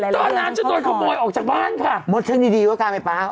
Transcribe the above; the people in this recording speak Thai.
มิตเตอร์น้ำจะโดนขโมยออกจากบ้านค่ะหมดเช่นดีดีว่าการไอ้ป๊า